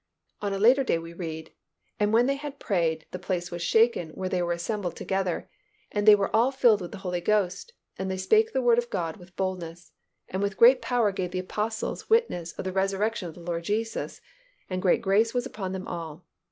On a later day we read, "And when they had prayed, the place was shaken where they were assembled together; and they were all filled with the Holy Ghost, and they spake the word of God with boldness. And with great power gave the Apostles witness of the resurrection of the Lord Jesus: and great grace was upon them all....